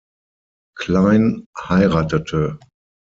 Klein heiratete.